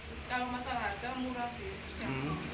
terus kalau masalah harga murah sih kerja